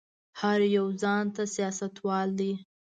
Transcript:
هر يو ځان ته سياستوال دی.